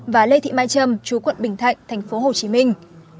và lê thị mai trâm chú quận bình thạnh thành phố hồ chí minh